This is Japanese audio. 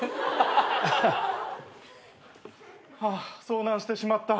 ハァ遭難してしまった。